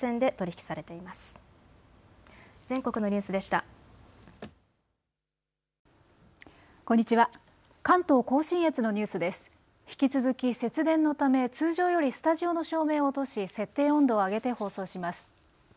引き続き節電のため通常よりスタジオの照明を落とし設定温度を上げて放送します。